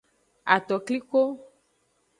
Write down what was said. Atokliko.